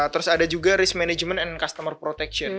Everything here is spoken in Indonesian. terus ada juga risk management and customer protection